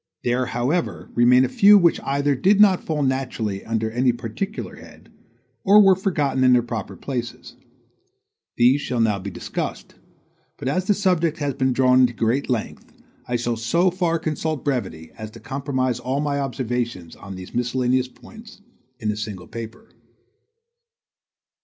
There, however, remain a few which either did not fall naturally under any particular head or were forgotten in their proper places. These shall now be discussed; but as the subject has been drawn into great length, I shall so far consult brevity as to comprise all my observations on these miscellaneous points in a single paper.